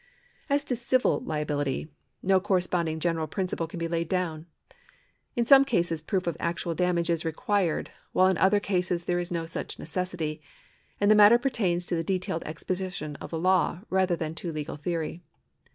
As to civil liability, no corresponding general principle can be laid down. In some cases proof of actual damage is required, while in other cases there is no such necessity ; and the matter pertains to the detailed exposition of the law, rather than to legal theory.